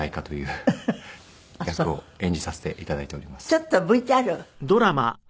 ちょっとＶＴＲ。